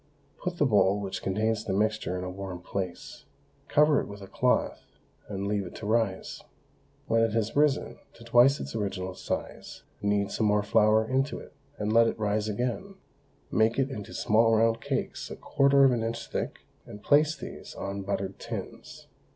Put the bowl which contains the mixture in a warm place, cover it with a cloth, and leave it to rise. When it has risen to twice its original size, knead some more flour into it, and let it rise again; make it into small round cakes a quarter of an inch thick, and place these on buttered tins.